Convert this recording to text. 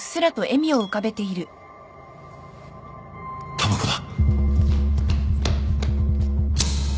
たばこだ。